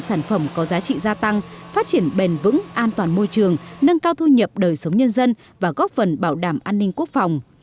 sản phẩm có giá trị gia tăng phát triển bền vững an toàn môi trường nâng cao thu nhập đời sống nhân dân và góp phần bảo đảm an ninh quốc phòng